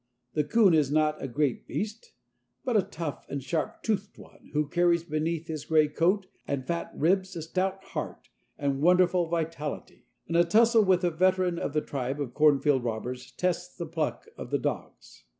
The coon is not a great beast, but a tough and sharp toothed one, who carries beneath his gray coat and fat ribs a stout heart and wonderful vitality; and a tussle with a veteran of the tribe of cornfield robbers tests the pluck of the dogs.